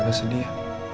udah udah sedia